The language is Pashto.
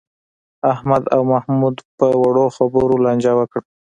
احمد او محمود په وړو خبرو لانجه وکړه.